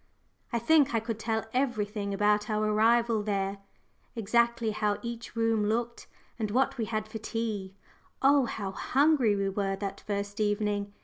I think I could tell everything about our arrival there, exactly how each room looked, and what we had for tea oh, how hungry we were that first evening!